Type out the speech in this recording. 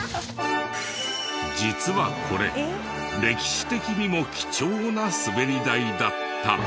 実はこれ歴史的にも貴重なスベリ台だった。